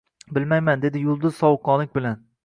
Bilmayman, dedi Yulduz sovuqqonlik bilan